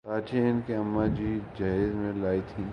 کراچی ان کی اماں جی جہیز میں لائیں تھیں ۔